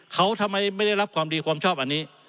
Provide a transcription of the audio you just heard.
เขาทำไมไม่ได้รับความดีความชอบอันนี้